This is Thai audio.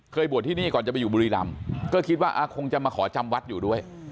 บวชที่นี่ก่อนจะไปอยู่บุรีรำก็คิดว่าคงจะมาขอจำวัดอยู่ด้วย